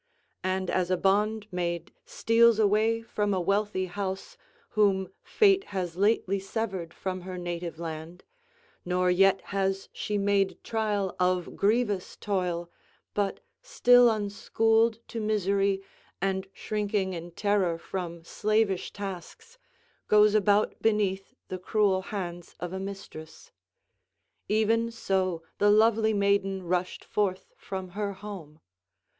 And as a bondmaid steals away from a wealthy house, whom fate has lately severed from her native land, nor yet has she made trial of grievous toil, but still unschooled to misery and shrinking in terror from slavish tasks, goes about beneath the cruel hands of a mistress; even so the lovely maiden rushed forth from her home.